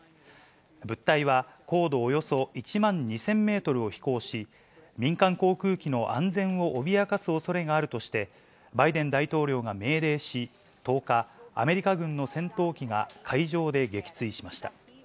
物体は、高度およそ１万２０００メートルを飛行し、民間航空機の安全を脅かすおそれがあるとして、バイデン大統領が命令し、１０日、アメリカ軍の戦闘機が海上で撃墜しました。